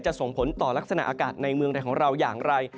ส่งผลต่อลักษณะอากาศในเมืองไทยของเราอย่างไร